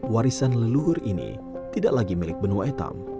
warisan leluhur ini tidak lagi milik benua etam